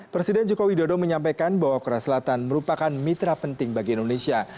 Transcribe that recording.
presiden jokowi dodo menyampaikan bahwa korea selatan merupakan mitra penting bagi indonesia